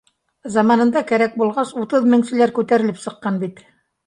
Заманында, кәрәк булғас, утыҙ меңселәр күтәрелеп сыҡ ҡан бит